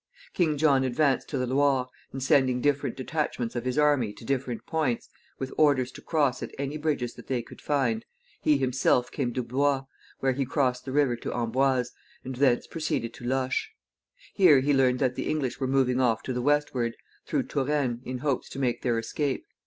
King John advanced to the Loire, and sending different detachments of his army to different points, with orders to cross at any bridges that they could find, he himself came to Blois, where he crossed the river to Amboise, and thence proceeded to Loches. Here he learned that the English were moving off to the westward, through Touraine, in hopes to make their escape.